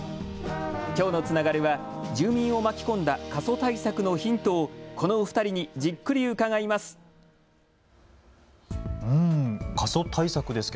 きょうのつながるは住民を巻き込んだ過疎対策のヒントをこのお二人にじっくり伺います。